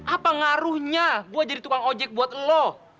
apa ngaruhnya gue jadi tukang ojek buat lo